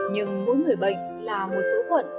nhưng mỗi người bệnh là một số phận